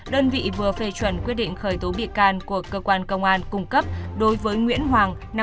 đơn vị vừa phê chuẩn quyết định khởi tố bị can của cơ quan công an cung cấp đối với nguyễn hoàng